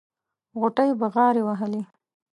غوټۍ بغاري وهلې.